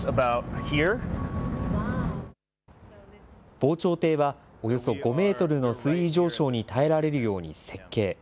防潮堤はおよそ５メートルの水位上昇に耐えられるように設計。